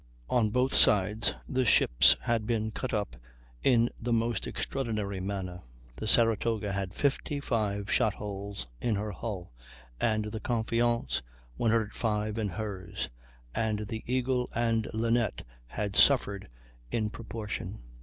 On both sides the ships had been cut up in the most extraordinary manner; the Saratoga had 55 shot holes in her hull, and the Confiance 105 in hers, and the Eagle and Linnet had suffered in proportion.